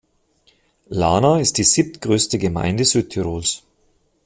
Lana ist die siebtgrößte Gemeinde Südtirols.